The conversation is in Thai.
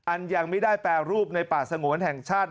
ยังไม่ได้แปรรูปในป่าสงวนแห่งชาติ